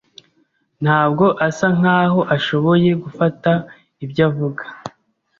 Ntabwo asa nkaho ashoboye gufata ibyo avuga.